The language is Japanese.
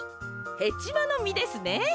ヘチマのみですね。